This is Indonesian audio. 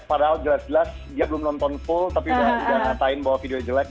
padahal jelas jelas dia belum nonton full tapi udah ngatain bahwa video jelek